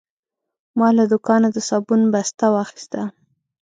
ما له دوکانه د صابون بسته واخیسته.